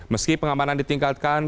meski pengamanan ditingkatkan